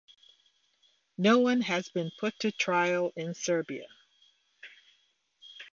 No one has been put to trial in Serbia.